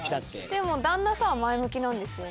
でも旦那さんは前向きなんですよね？